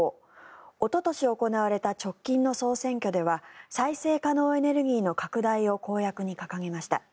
おととし行われた直近の総選挙では再生可能エネルギーの拡大を公約に掲げました。